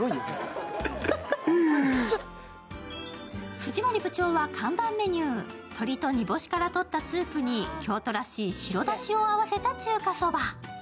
藤森は看板メニュー、鶏と煮干しからとったスープに京都らしい白だしを合わせた中華そば。